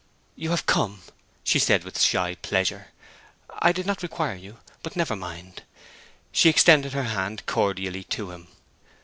'You have come!' she said with shy pleasure. 'I did not require you. But never mind.' She extended her hand cordially to him.